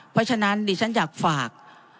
เพราะฉะนั้นดิฉันอยากฝาก